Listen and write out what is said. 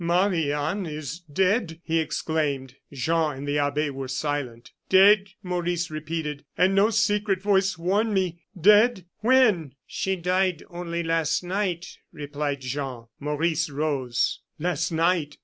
"Marie Anne is dead!" he exclaimed. Jean and the abbe were silent. "Dead!" Maurice repeated "and no secret voice warned me! Dead! when?" "She died only last night," replied Jean. Maurice rose. "Last night?"